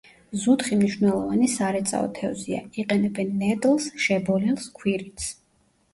ზუთხი მნიშვნელოვანი სარეწაო თევზია, იყენებენ ნედლს, შებოლილს, ქვირითს.